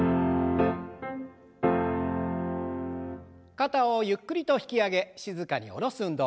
肩をゆっくりと引き上げ静かに下ろす運動。